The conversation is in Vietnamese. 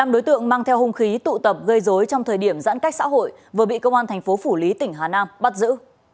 năm đối tượng mang theo hung khí tụ tập gây dối trong thời điểm giãn cách xã hội vừa bị công an thành phố phủ lý tỉnh hà nam bắt giữ